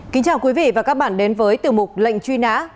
kính chào quý vị và các bạn đến với tiểu mục lệnh truy nã